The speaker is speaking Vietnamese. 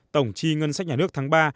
tổng chi ngân sách nhà nước tháng ba